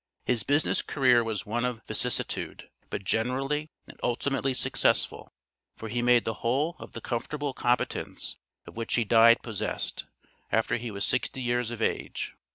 His business career was one of vicissitude, but generally and ultimately successful, for he made the whole of the comfortable competence of which he died possessed, after he was sixty years of age.